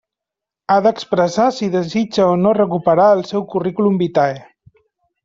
Ha d'expressar si desitja o no recuperar el seu curriculum vitae.